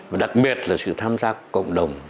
và đặc biệt là sự tham gia cộng đồng